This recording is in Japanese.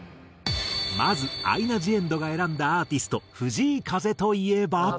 まずアイナ・ジ・エンドが選んだアーティスト藤井風といえば。